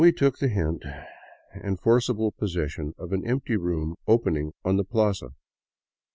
We took the hint and forcible possession of an empty room opening on the plaza.